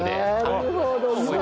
なるほど。